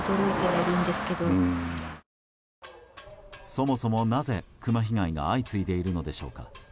そもそも、なぜクマ被害が相次いでいるのでしょうか。